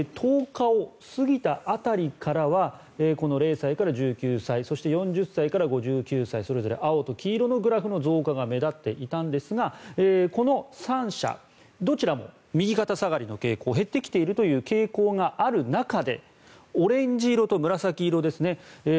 １０日を過ぎた辺りからは０歳から１９歳そして、４０歳から５９歳それぞれ青と黄色のグラフの増加が目立っていたんですがこの３者どちらも右肩下がりの傾向減ってきているという傾向がある中でオレンジ色と紫色ですね